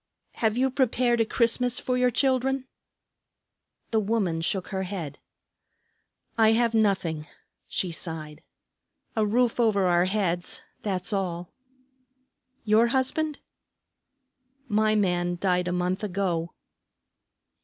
"Have you prepared a Christmas for your children?" The woman shook her head. "I have nothing," she sighed. "A roof over our heads, that's all." "Your husband?" "My man died a month ago."